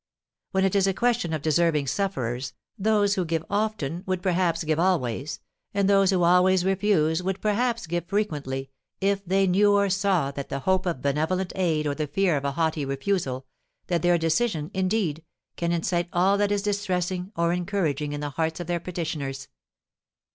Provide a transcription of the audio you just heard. When it is a question of deserving sufferers, those who give often would perhaps give always, and those who always refuse would perhaps give frequently, if they knew or saw that the hope of benevolent aid or the fear of a haughty refusal that their decision, indeed can excite all that is distressing or encouraging in the hearts of their petitioners.